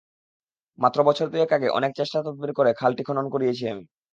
মাত্র বছর দুয়েক আগে অনেক চেষ্টা-তদবির করে খালটি খনন করিয়েছি আমি।